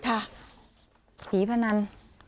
อ่าพี่พนัน